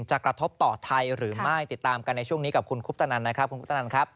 จะกระทบต่อไทยหรือไม่ติดตามกันในช่วงนี้กับคุณคุปตะนันนะครับ